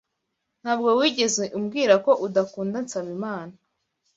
Ntabwo wigeze umbwira ko udakunda Nsabimana